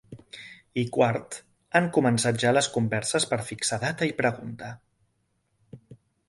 I quart, han començat ja les converses per fixar data i pregunta.